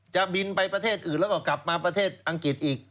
จะบินไปประเทศอื่นแล้วก็กลับมาประเทศอังกฤษอีก